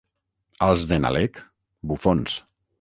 Als de Nalec, bufons.